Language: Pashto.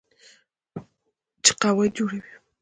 چې قواعد جوړوي.